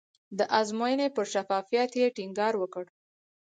د ازموینې پر شفافیت یې ټینګار وکړ.